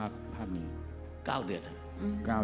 ๙เดือนครับ